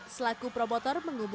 selaku promotor mengubah ubahnya